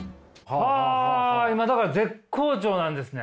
今だから絶好調なんですね。